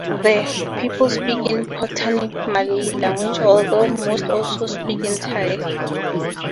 The people speak the Patani Malay language, although most also speak Thai.